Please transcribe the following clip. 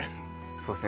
そうですね